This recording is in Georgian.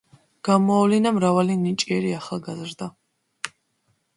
გამოავლინა მრავალი ნიჭიერი ახალგაზდა.